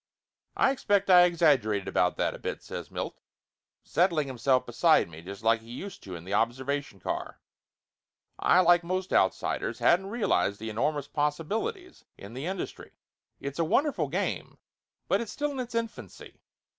"I expect I exaggerated about that a bit," says Milt, settling himself beside me just like he used to in the observation car. "I, like most outsiders, hadn't real ized the enormous possibilities in the industry. It's a wonderful game, but it is still in its infancy.